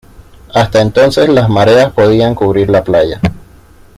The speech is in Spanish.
Hasta entonces las mareas podían cubrir la playa.